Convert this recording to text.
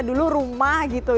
dulu rumah gitu ya